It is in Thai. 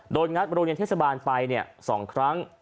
งัดโรงเรียนเทศบาลไป๒ครั้ง